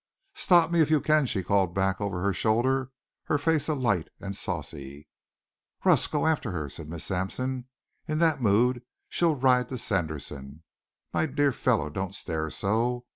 "Stop me if you can," she called back over her shoulder, her face alight and saucy. "Russ, go after her," said Miss Sampson. "In that mood she'll ride to Sanderson. My dear fellow, don't stare so.